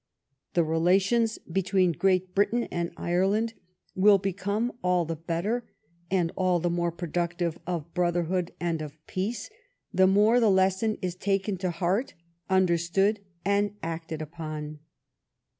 The relations between Great Britain and Ireland will become all the better and all the more productive of brotherhood and of peace the more the lesson is taken to heart, understood, and acted upon.